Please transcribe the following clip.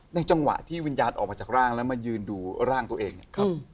จังหวะที่วิญญาณออกมาจากร่างแล้วมายืนดูร่างตัวเองเนี่ยครับ